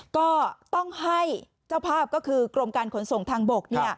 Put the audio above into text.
ก็ต้องให้เจ้าภาพก็คือกรมการขนส่งทางบก